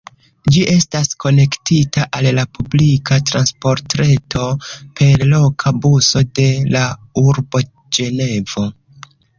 Ĝi estas konektita al la publika transportreto per loka buso de la urbo Ĝenevo.